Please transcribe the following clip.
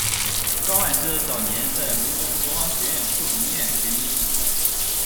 高万斯早年在伦敦国王学院附属医院学医。